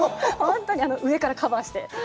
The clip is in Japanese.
本当に上からカバーして。